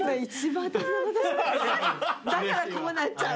だからこうなっちゃう。